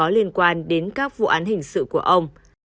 liên quan đến các vụ án hình sự của ông